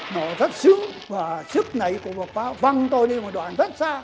nó rất sướng và sức nảy của bột pha văng tôi đi một đoạn rất xa